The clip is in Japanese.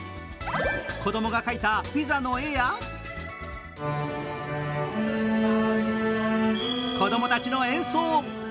子供が描いたピザの絵や子供たちの演奏。